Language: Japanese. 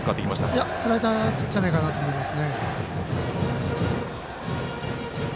いやスライダーじゃないかと思います。